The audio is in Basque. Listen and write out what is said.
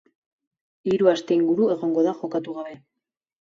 Hiru aste inguru egongo da jokatu gabe.